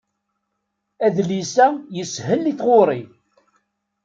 Adlis-a yeshel i tɣuri.